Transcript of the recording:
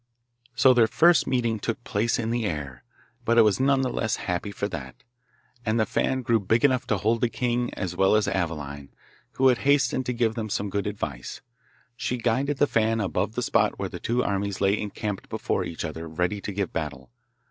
So their first meeting took place in the air, but it was none the less happy for that; and the fan grew big enough to hold the king as well as Aveline, who had hastened to give them some good advice. She guided the fan above the spot where the two armies lay encamped before each other ready to give battle.